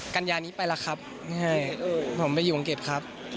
กัญญานี้ไปแล้วครับไม่ให้ผมไปอยู่อังกฤษครับ